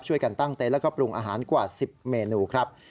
ช่วยกันตั้งเต็นต์แล้วก็ปรุงอาหารกว่า๑๐เมนูครับ